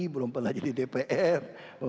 belum belajar di dpr